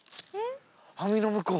網の向こう。